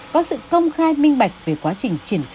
có sự công khai minh bạch về quá trình triển khai